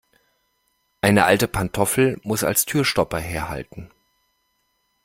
Eine alte Pantoffel muss als Türstopper herhalten.